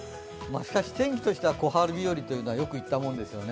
天気としては小春日和というのはよく言ったものですね。